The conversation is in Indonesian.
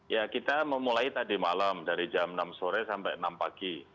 ya kita memulai tadi malam dari jam enam sore sampai enam pagi